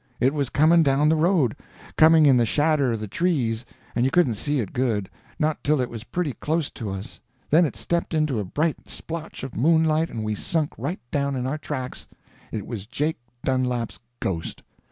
It was coming down the road—coming in the shadder of the trees, and you couldn't see it good; not till it was pretty close to us; then it stepped into a bright splotch of moonlight and we sunk right down in our tracks—it was Jake Dunlap's ghost!